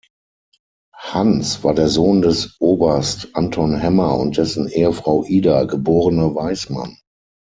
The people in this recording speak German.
Hans war der Sohn des Oberst Anton Hemmer und dessen Ehefrau Ida, geborene Weißmann.